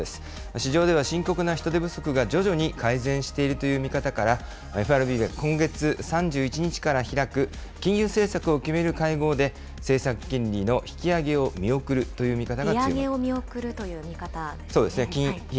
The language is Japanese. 市場では深刻な人手不足が徐々に改善しているという見方から、ＦＲＢが今月３１日から開く金融政策を決める会合で、政策金利の利上げを見送るという見方でそうですね。